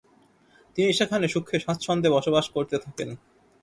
তিনি সেখানে সুখে স্বাচ্ছন্দ্যে বসবাস করতে থাকেন।